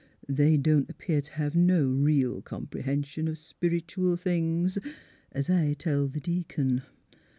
They don't appear t' have no reel comprehension of spiritooal things, es I tell th' deacon."